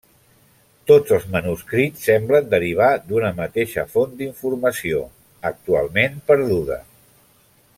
Tots els manuscrits semblen derivar d'una mateixa font d'informació, actualment perduda.